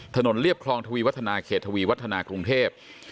เรียบคลองทวีวัฒนาเขตทวีวัฒนากรุงเทพ